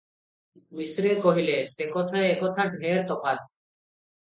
ମିଶ୍ରେ କହିଲେ, "ସେ କଥା ଏ କଥା ଢେର ତଫାତ୍ ।